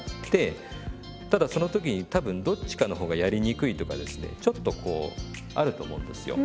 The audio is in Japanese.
ただその時に多分どっちかの方がやりにくいとかですねちょっとこうあると思うんですよ。